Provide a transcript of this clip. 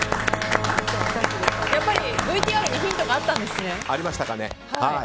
やっぱりＶＴＲにヒントがあったんですね。